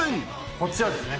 こちらですね。